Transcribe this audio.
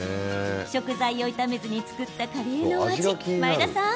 食材を炒めずに作ったカレーのお味、前田さん